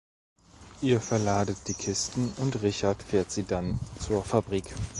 Ihr verladet die Kisten und Richard fährt sie dann zur Fabrik.